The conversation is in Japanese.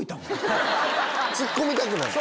ツッコみたくなる。